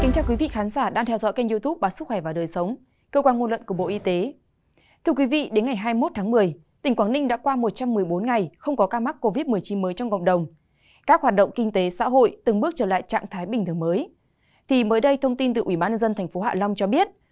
các bạn hãy đăng ký kênh để ủng hộ kênh của chúng mình nhé